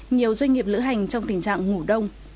nhiều doanh nghiệp lữ hành trong tình trạng ngủ đông